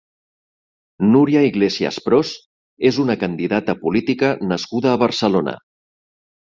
Núria Iglesias Pros és una candidata política nascuda a Barcelona.